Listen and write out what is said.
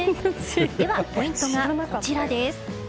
ではポイントはこちら。